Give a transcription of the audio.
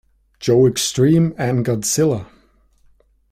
Joe Extreme and Godzilla.